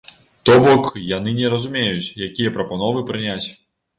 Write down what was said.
То бок, яны не разумеюць, якія прапановы прыняць.